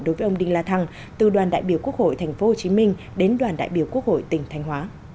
đối với ông đinh la thăng từ đoàn đại biểu quốc hội tp hcm đến đoàn đại biểu quốc hội tp hcm